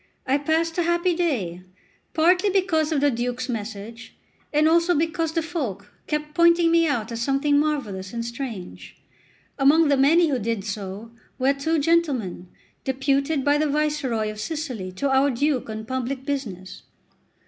I passed a happy day, partly because of the Duke's message, and also because the folk kept pointing me out as something marvellous and strange. Among the many who did so, were two gentlemen, deputed by the Viceroy of Sicily to our Duke on public business.